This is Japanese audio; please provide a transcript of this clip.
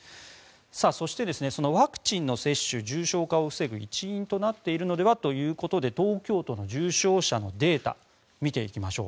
そして、そのワクチンの接種重症化を防ぐ一因になっているのではということで東京都の重症者のデータ見ていきましょう。